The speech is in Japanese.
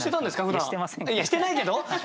いやしてないけど！？